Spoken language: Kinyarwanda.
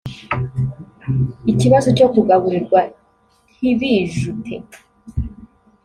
Ikibazo cyo kugaburirwa ntibijute